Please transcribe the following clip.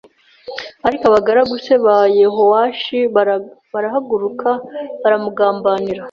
Ariko abagaragu c ba Yehowashi barahaguruka baramugambanira